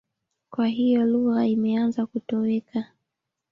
Kwa hiyo lugha imeanza kutoweka.